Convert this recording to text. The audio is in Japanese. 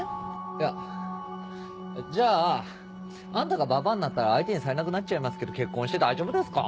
いやじゃああんたがババアになったら相手にされなくなっちゃいますけど結婚して大丈夫ですか？